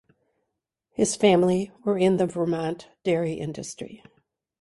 His family were in the Vermont dairy industry.